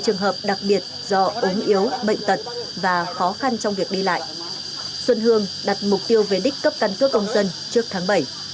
một mươi trường hợp đặc biệt do ống yếu bệnh tật và khó khăn trong việc đi lại xuân hương đặt mục tiêu về đích cấp căn cấp công dân trước tháng bảy